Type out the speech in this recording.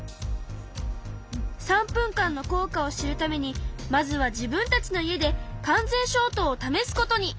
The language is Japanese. ３分間の効果を知るためにまずは自分たちの家で完全消灯を試すことに！